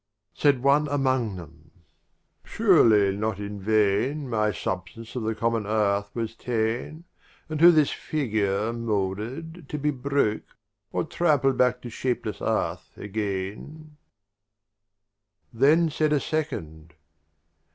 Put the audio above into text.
Said one among them — "Surely not in vain "My substance of the common Earth was ta'en "And to this Figure moulded, to be broke, "Or trampled back to shapeless Earth again."